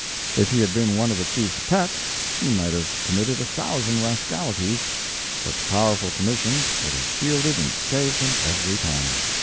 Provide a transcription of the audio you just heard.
If he had been one of the Chief's pets, he might have committed a thousand rascalities, but the powerful Commission would have shielded and saved him every time.